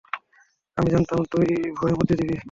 আমি জানতাম তুই ভয়ে মুতে দিবি।